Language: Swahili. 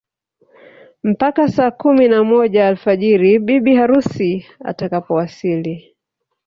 Mpaka saa kumi na moja alfajiri bibi harusi atakapowasili